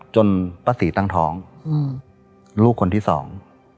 จนพระศรีตั้งท้องลูกคนที่สอง